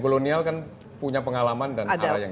kolonial kan punya pengalaman dan arah yang